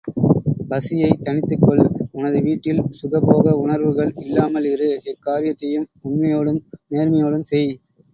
பசியைத் தணித்துக் கொள் உனது வீட்டில் சுகபோக உணர்வுகள் இல்லாமல் இரு, எக்காரியத்தையும் உண்மையோடும், நேர்மையோடும் செய்.